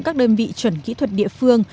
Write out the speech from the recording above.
các đơn vị chuẩn kỹ thuật địa phương